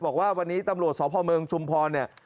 บอกว่าวันนี้ตำรวจสพเมืองชุมพรเนี่ย